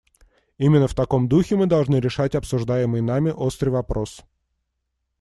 Именно в таком духе мы должны решать обсуждаемый нами острый вопрос.